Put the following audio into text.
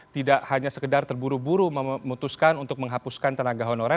tidak hanya sekedar terburu buru memutuskan untuk menghapuskan tenaga honorer